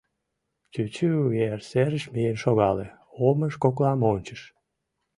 Чӱчӱ ер серыш миен шогале, омыж коклам ончыш.